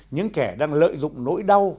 những kẻ đang lợi dụng nỗi đau